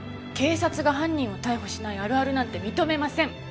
警察が犯人を逮捕しないあるあるなんて認めません。